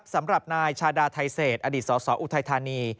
สำหรับนายชาดาไทเศษอดีตสสออุทัยธานี